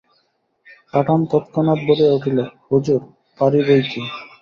পাঠান তৎক্ষণাৎ বলিয়া উঠিল, হুজুর, পারি বইকি।